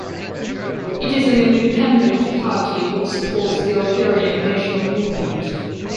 It is an independent party which supports the Algerian national movement.